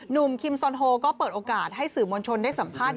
คิมซอนโฮก็เปิดโอกาสให้สื่อมวลชนได้สัมภาษณ์